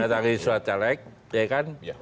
menarik suatu caleg ya kan